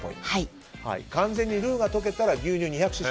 完全にルーが溶けたら牛乳２００ｃｃ。